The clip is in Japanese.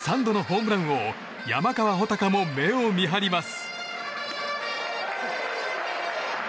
その剛腕には３度のホームラン王山川穂高も目を見張ります。